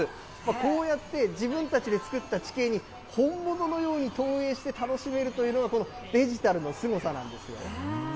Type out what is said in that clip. こうやって自分たちで作った地形に本物のように投影して楽しめるというのが、このデジタルのすごさなんですよ。